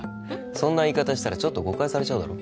そんな言い方したらちょっと誤解されちゃうだろ？